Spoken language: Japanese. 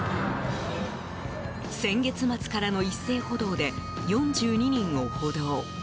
先月末からの一斉補導で４２人を補導。